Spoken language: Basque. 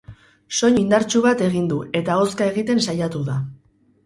Soinu indartsu bat egin du eta hozka egiten saiatu da.